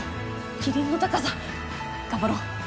キリンの高さ頑張ろう。